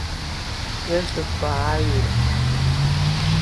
Иажәақәа ааҩуан.